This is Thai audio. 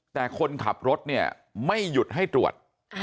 แต่คนขับรถเนี่ยไม่หยุดให้ตรวจ